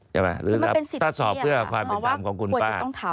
หรือครับถ้าสอบเพื่อความเป็นธรรมของคุณป้า